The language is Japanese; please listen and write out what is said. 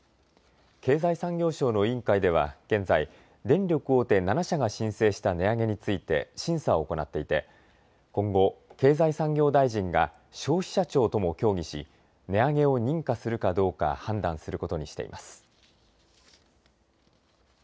経済産業省の委員会では現在、電力大手７社が申請した値上げについて審査を行っていて今後、経済産業大臣が消費者庁とも協議し値上げを認可するかどうか判断することにしています。